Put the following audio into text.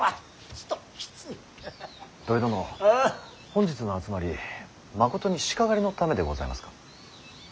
本日の集まりまことに鹿狩りのためでございますか。